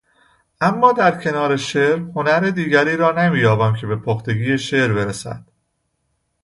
اما در کنار شعر هنر دیگری را نمییابیم که به پختگی شعر برسد